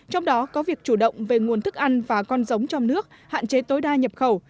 trong đó có việc chủ động về nguồn thức ăn và con giống trong nước hạn chế tối đa nhập khẩu